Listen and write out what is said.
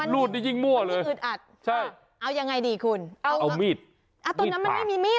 รูดไม่ดี